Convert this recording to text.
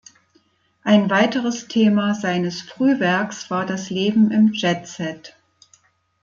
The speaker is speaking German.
Ein weiteres Thema seines Frühwerks war das Leben im Jetset.